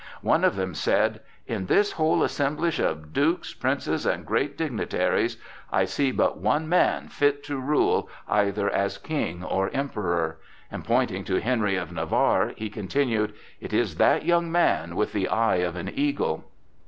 One of them said: "In this whole assemblage of dukes, princes and great dignitaries, I see but one man fit to rule either as king or emperor," and pointing to Henry of Navarre he continued: "It is that young man with the eye of an eagle!"